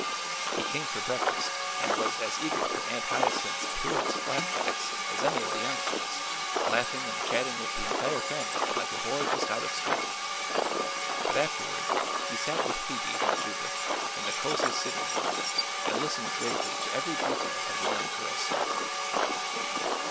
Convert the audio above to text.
He came for breakfast and was as eager for Aunt Hyacinth's peerless flapjacks as any of the youngsters, laughing and chatting with the entire family like a boy just out of school. But afterward he sat with Phoebe and Judith in the cosy sitting room and listened gravely to every detail of the young girl's story.